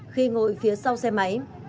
khi ngồi phía sau xe máy